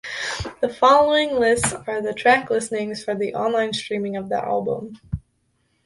The following lists are the track listings for the online streaming of the album.